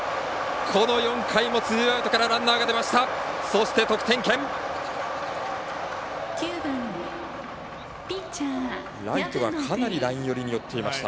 この４回もツーアウトからランナーが出ました。